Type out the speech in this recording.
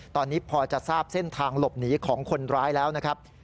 ตอนนี้พอจะทราบเส้นทางหลบหนีของคนร้ายแล้วนะครับ